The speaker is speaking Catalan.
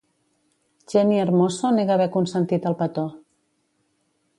Jenni Hermoso nega haver consentit el petó